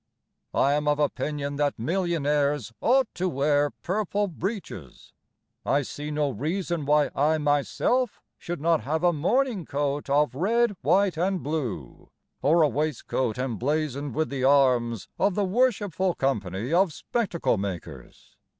I am of opinion that millionaires Ought to wear purple breeches; I see no reason why I myself Should not have a morning coat of red, white, and blue, Or a waistcoat emblazoned with the arms Of the Worshipful Company of Spectaclemakers.